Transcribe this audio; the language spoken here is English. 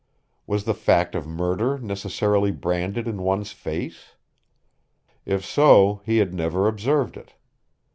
Was the fact of murder necessarily branded in one's face? If so, he had never observed it.